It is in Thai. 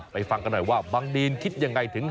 ฟังกันหน่อยว่าบังดีนคิดยังไงถึง